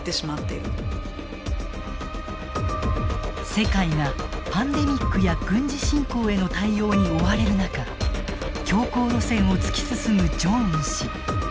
世界がパンデミックや軍事侵攻への対応に追われる中強硬路線を突き進むジョンウン氏。